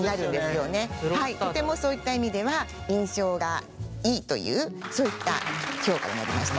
とてもそういった意味では印象がいいというそういった評価になりました。